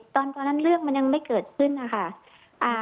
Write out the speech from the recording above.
ตอนนั้นเรื่องมันยังไม่เกิดขึ้นนะคะ